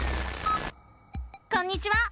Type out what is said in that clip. こんにちは！